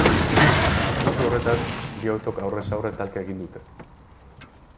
Puntu horretan, bi autok aurrez aurre talka egin dute.